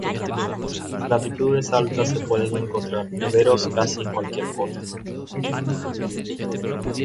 En las latitudes altas se pueden encontrar neveros casi en cualquier cota.